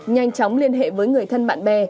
nhanh chóng liên hệ với người thân bạn bè